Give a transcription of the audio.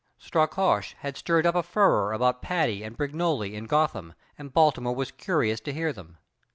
Strakosch had stirred up a furore about Patti and Brignoli in Gotham, and Baltimore was curious to hear them.